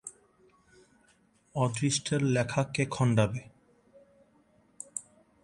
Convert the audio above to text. অদৃষ্টের লেখা কে খণ্ডাবে!